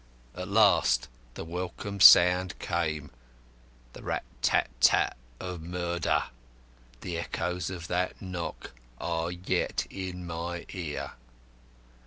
At last the welcome sound came the rat tat tat of murder. The echoes of that knock are yet in my ear.